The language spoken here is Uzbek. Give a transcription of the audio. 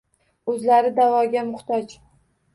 O’zlari davoga muhtoj –